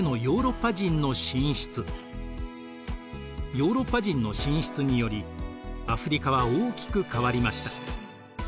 ヨーロッパ人の進出によりアフリカは大きく変わりました。